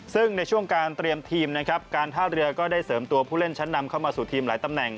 ซึ่งในช่วงการเตรียมทีมนะครับการท่าเรือก็ได้เสริมตัวผู้เล่นชั้นนำเข้ามาสู่ทีมหลายตำแหน่ง